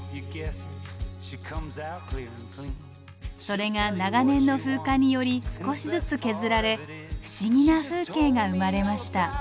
それが長年の風化により少しずつ削られ不思議な風景が生まれました。